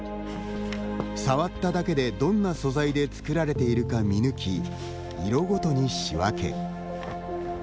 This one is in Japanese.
触っただけで、どんな素材で作られているか見抜き色ごとに仕分け。